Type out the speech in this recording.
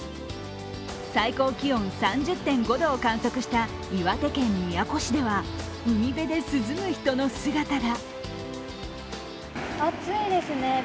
最高気温３０．５度を観測した岩手県宮古市では海辺で涼む人の姿が。